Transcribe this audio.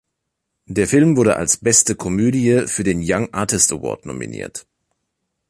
Der Film wurde als "Beste Komödie" für den Young Artist Award nominiert.